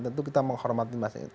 tentu kita menghormati masing masing